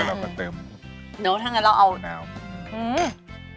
ก็คือเท่าเดิม